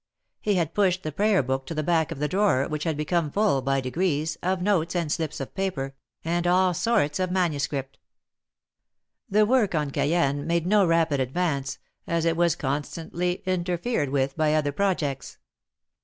He had pushed the prayer book to the back of the drawer, which had become full, by degrees, of notes and slips of paper, and of all sorts of manuscript. The work on Cayenne made no rapid advance, as it was constantly interfered with by other projects.